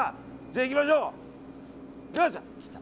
じゃあ、いきましょう。